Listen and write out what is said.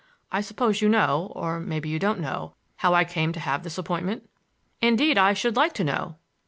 I suppose you know—or maybe you don't know—how I came to have this appointment?" "Indeed, I should like to know."